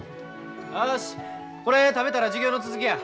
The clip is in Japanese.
よしこれ食べたら授業の続きや。